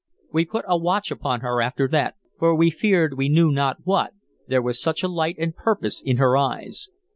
We put a watch upon her after that, for we feared we knew not what, there was such a light and purpose in her eyes.